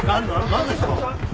何ですか？